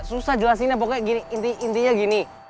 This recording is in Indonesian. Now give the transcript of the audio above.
susah jelasinnya pokoknya gini intinya gini